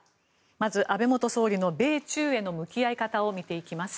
まず、安倍元総理の米中への向き合い方を見ていきます。